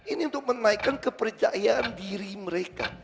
ini untuk menaikkan kepercayaan diri mereka